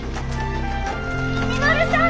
稔さん！